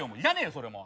それもう。